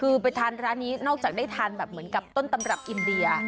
คือไปทานร้านนี้นอกจากได้ทานแบบเหมือนกับต้นตำรับอินเดีย